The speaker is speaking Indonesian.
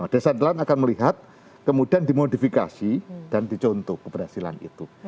desa telan akan melihat kemudian dimodifikasi dan dicontoh keberhasilan itu